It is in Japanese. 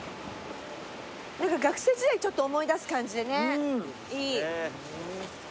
学生時代ちょっと思い出す感じでねいい。